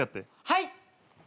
はい！